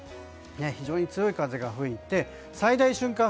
非常に強い風が吹いて最大瞬間